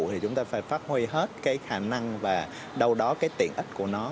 thì chúng ta phải phát huy hết cái khả năng và đâu đó cái tiện ích của nó